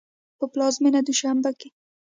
په پلازمېنه دوشنبه کې